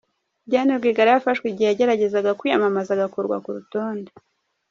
Diane Rwigara yafashwe igihe yaregeraza kwiyamamaza agakurwa ku rutonde.